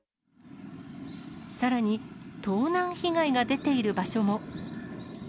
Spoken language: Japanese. さらに、盗難被害が出ている場所も。